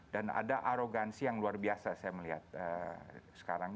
dan ada arogansi yang luar biasa saya melihat sekarang